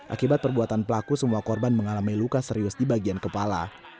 akibat perbuatan pelaku semua korban mengalami luka serius di bagian kepala